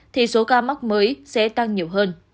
thì số ca mắc mới sẽ tăng nhiều hơn